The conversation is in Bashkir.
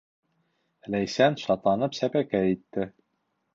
Ләйсән шатланып сәпәкәй итте.